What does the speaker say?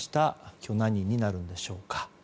今日は何人になるんでしょうか。